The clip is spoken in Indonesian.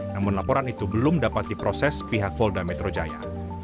namun laporan itu belum dapat diproses pihak polda metro jaya